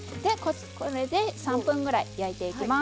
これで３分ぐらい焼いていきます。